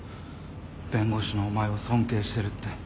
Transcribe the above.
弁護士のお前を尊敬してるって。